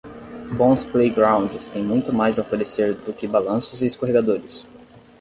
Bons playgrounds têm muito mais a oferecer do que balanços e escorregadores.